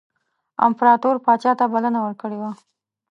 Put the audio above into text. امپراطور پاچا ته بلنه ورکړې وه.